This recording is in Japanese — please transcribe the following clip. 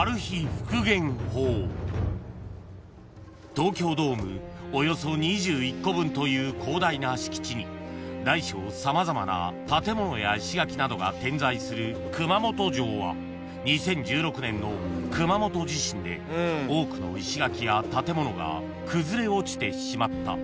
［東京ドームおよそ２１個分という広大な敷地に大小様々な建物や石垣などが点在する熊本城は２０１６年の熊本地震で多くの石垣や建物が崩れ落ちてしまった］